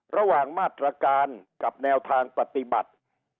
ระหว่างมาตรการกับแนวทางปฏิบัติ